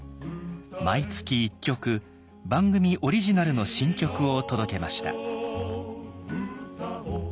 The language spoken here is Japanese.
毎月１曲番組オリジナルの新曲を届けました。